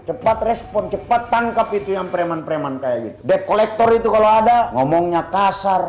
depp collector itu kalau ada ngomongnya kasar